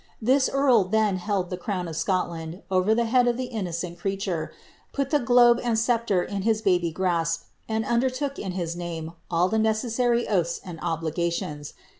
This earl then held the crown of Scotland over the head of the innocent creature, put the globe and sceptre in his baby grasp, and undertook, in his name, all the necessary oaths and obligations.